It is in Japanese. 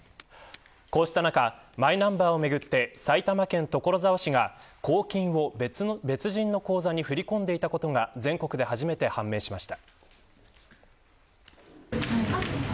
こうした中マイナンバーをめぐって埼玉県所沢市が公金を別人の口座に振り込んでいたことが全国で初めて判明しました。